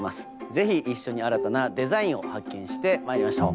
ぜひ一緒に新たなデザインを発見してまいりましょう。